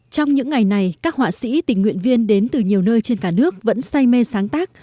trong những ngày này các họa sĩ tình nguyện viên đến từ nhiều nơi trên cả nước vẫn say mê sáng tác